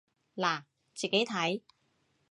嗱，自己睇